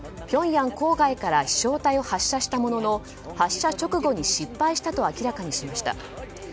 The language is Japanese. ピョンヤン郊外から飛翔体を発射したものの発射直後に失敗したと明らかにしました。